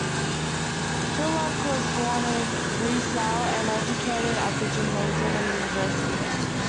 Tholuck was born at Breslau, and educated at the gymnasium and university there.